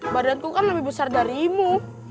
badanku kan lebih besar darimu